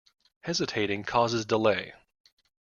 Hesitating causes delay.